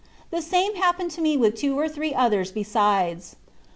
The same happened to me with two or three others besides.